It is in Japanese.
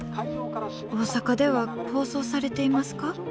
大阪では放送されていますか？」。